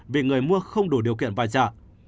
vì người mua không đủ điều kiện vào chợ